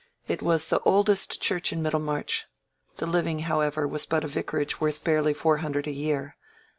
It was the oldest church in Middlemarch; the living, however, was but a vicarage worth barely four hundred a year.